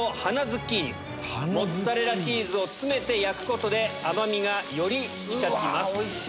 モッツァレラチーズを詰めて焼くことで甘みがより引き立ちます。